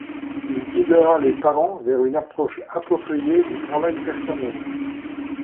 Il guidera les parents vers une approche appropriée du travail personnel.